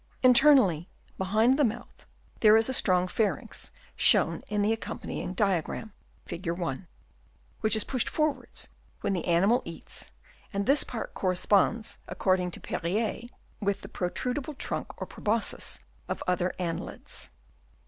Internally, behind the mouth, there is a strong pharynx, shown in the ac companying diagram (Fig. 1) which is pushed forwards when the animal eats, and this part corresponds, according to Perrier, with the pro trudable trunk or proboscis of other annelids.